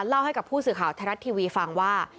เล่าให้กับผู้สื่อข่าวไทยรัฐทีวีฟังว่า